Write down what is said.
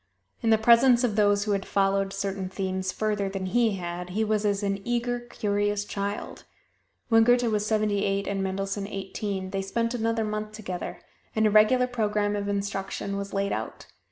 In the presence of those who had followed certain themes further than he had, he was as an eager, curious child. When Goethe was seventy eight and Mendelssohn eighteen, they spent another month together; and a regular program of instruction was laid out.